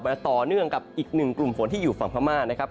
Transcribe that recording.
จะต่อเนื่องกับอีกหนึ่งกลุ่มฝนที่อยู่ฝั่งพม่านะครับ